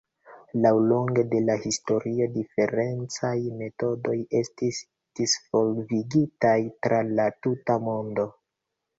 Laŭlonge de la historio, diferencaj metodoj estis disvolvigitaj tra la tuta mondo.